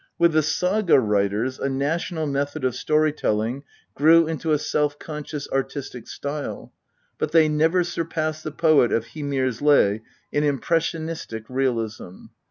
With the Saga writers a national method of story telling grew into a self conscious, artistic style, but they never surpassed the poet of Hymir's Lay in impressionistic realism.